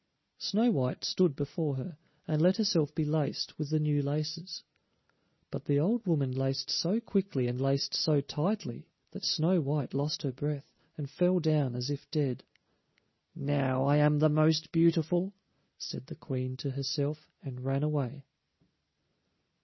Snow white stood before her, and let herself be laced with the new laces. But the old woman laced so quickly and laced so tightly that Snow white lost her breath and fell down as if dead. "Now I am the most beautiful," said the Queen to herself, and ran away.